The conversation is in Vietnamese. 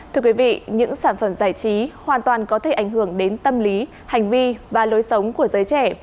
thưa quý vị những sản phẩm giải trí hoàn toàn có thể ảnh hưởng đến tâm lý hành vi và lối sống của giới trẻ